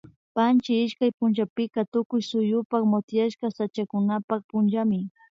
Panchi ishkay punllapika Tukuy suyupak motiashka sachakunapak punllami